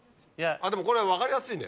でもこれは分かりやすいね。